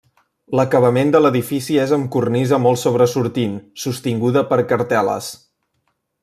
L'acabament de l'edifici és amb cornisa molt sobresortint sostinguda per cartel·les.